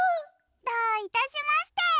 どういたしまして！